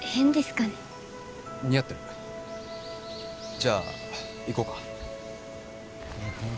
じゃあ行こうか。